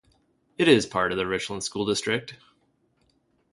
It is part of the Richland School District.